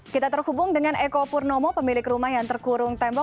kita terhubung dengan eko purnomo pemilik rumah yang terkurung tembok